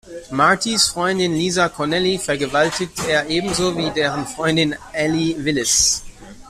Martys Freundin Lisa Connelly vergewaltigt er ebenso wie deren Freundin Ali Willis.